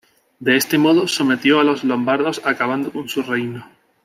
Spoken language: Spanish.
De este modo sometió a los lombardos acabando con su reino.